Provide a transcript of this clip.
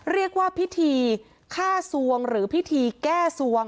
เรียกว่าพิธีฆ่าสวงหรือพิธีแก้สวง